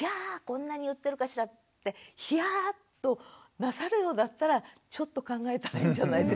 こんなに言ってるかしらってヒャーッとなさるようだったらちょっと考えたらいいんじゃないですか。